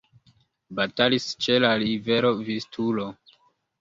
Batalis ĉe la rivero Vistulo.